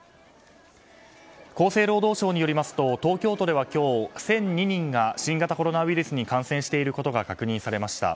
厚生労働省によりますと東京都では今日１００２人が新型コロナウイルスに感染していることが確認されました。